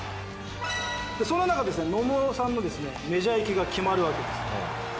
そんななかで野茂さんのメジャー行きが決まるわけです。